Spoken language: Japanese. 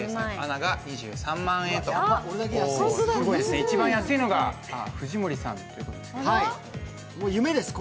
一番安いのが藤森さんということですかね。